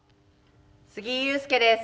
杉井勇介です。